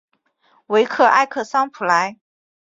维克埃克桑普莱。